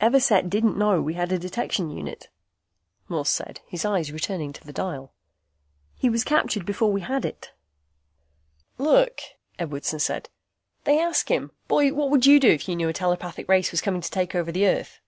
"Everset didn't know we had a detection unit," Morse said, his eyes returning to the dial. "He was captured before we had it." "Look," Edwardson said, "They ask him, 'Boy, what would you do if you knew a telepathic race was coming to take over Earth?